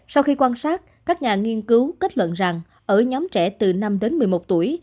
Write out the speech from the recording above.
sau khi quan sát các nhà nghiên cứu kết luận rằng ở nhóm trẻ từ năm đến một mươi một tuổi